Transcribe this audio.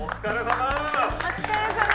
お疲れさま。